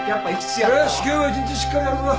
よし今日も１日しっかりやるぞ。